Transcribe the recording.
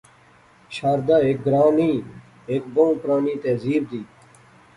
شاردا ہیک گراں نئیں یک بہوں پرانی تہذیب دی